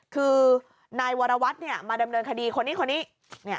คือนายวรวัตรมาดำเนินคดีคนนี้คนนี้